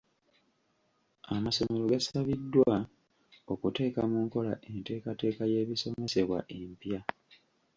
Amasomero gasabiddwa okuteeka mu nkola enteekateeka y'ebisomesebwa empya.